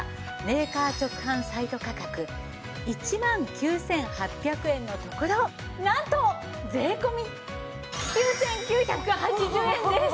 メーカー直販サイト価格１万９８００円のところなんと税込９９８０円です。